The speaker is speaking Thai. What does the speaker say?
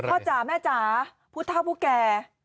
จ๋าแม่จ๋าผู้เท่าผู้แก่